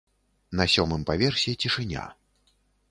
На сёмым паверсе цішыня.